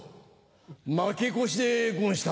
負け越しでごんした。